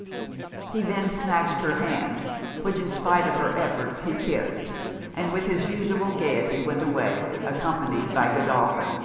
_' He then snatched her hand, which in spite of her efforts he kissed, and with his usual gaiety went away, accompanied by Godolphin.